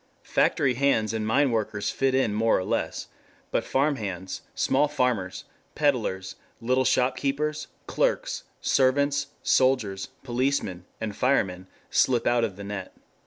Factory hands and mine workers fit in more or less, but farm hands, small farmers, peddlers, little shop keepers, clerks, servants, soldiers, policemen, firemen slip out of the net.